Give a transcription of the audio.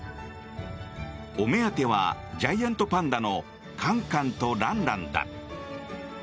お目当てはジャイアントパンダのカンカンとランランだ。